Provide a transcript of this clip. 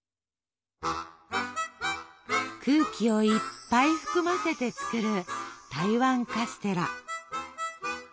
空気をいっぱい含ませて作る台湾カステラ。